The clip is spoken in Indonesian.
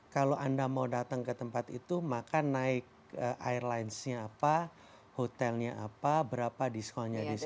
kalau anda mau datang ke tempat itu maka naik airlines nya apa hotel nya apa berapa diskon nya disitu